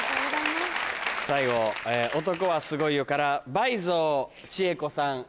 最後「男はすごいよ」から倍増千恵子さん。